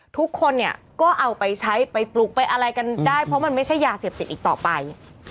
ทุกคนเนี่ยก็เอาไปใช้ไปปลุกไปอะไรกันได้เพราะมันไม่ใช่ยาเสพติดอีกต่อไป